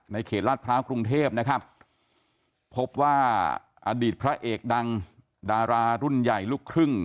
เขตลาดพร้าวกรุงเทพนะครับพบว่าอดีตพระเอกดังดารารุ่นใหญ่ลูกครึ่ง